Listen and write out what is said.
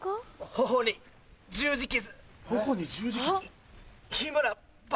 頬に十字傷？